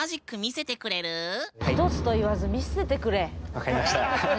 分かりました。